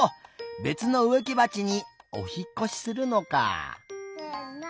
べつのうえきばちにおひっこしするのかあ。